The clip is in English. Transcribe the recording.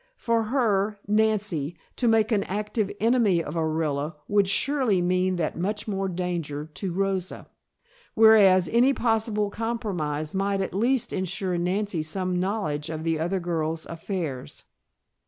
For her, Nancy, to make an active enemy of Orilla would surely mean that much more danger to Rosa, whereas any possible compromise might at least insure Nancy some knowledge of the other girl's affairs.